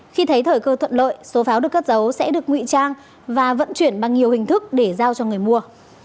khi thấy thời cơ thuận lợi số pháo được cất giấu sẽ được nguy trang và vận chuyển bằng nhiều hình thức để giao cho người mua